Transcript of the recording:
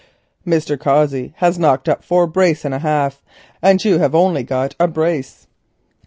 Mr. Cossey hev knocked up four brace and a half, and you hev only got a brace.